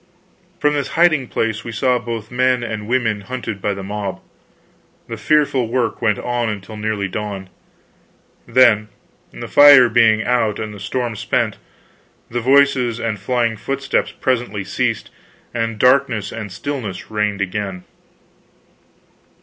From this hiding place we saw both men and women hunted by the mob. The fearful work went on until nearly dawn. Then, the fire being out and the storm spent, the voices and flying footsteps presently ceased, and darkness and stillness reigned again.